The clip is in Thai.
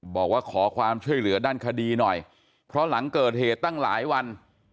บอกว่าขอความช่วยเหลือด้านคดีหน่อยเพราะหลังเกิดเหตุตั้งหลายวัน